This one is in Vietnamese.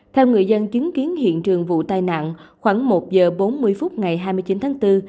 theo người dân chứng kiến hiện trường vụ tai nạn khoảng một giờ bốn mươi phút ngày hai mươi chín tháng bốn